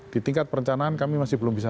di tingkat perencanaan kami masih belum bisa